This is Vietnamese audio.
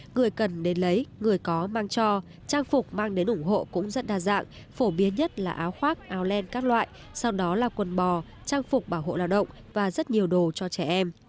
người cần đến lấy người có mang cho trang phục mang đến ủng hộ cũng rất đa dạng phổ biến nhất là áo khoác áo len các loại sau đó là quần bò trang phục bảo hộ lao động và rất nhiều đồ cho trẻ em